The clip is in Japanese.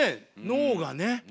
脳がね。